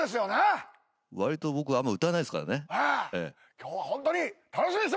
今日はホントに楽しみにしてます。